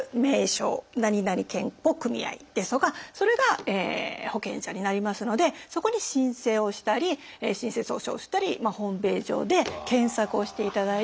何々健保組合ですとかそれが保険者になりますのでそこに申請をしたり申請書を送付したりホームページ上で検索をしていただいて手続きをすると。